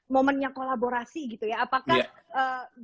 momennya kolaborasi gitu ya apakah